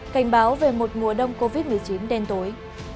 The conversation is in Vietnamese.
cảnh báo về một mùa đông covid một mươi chín đen tối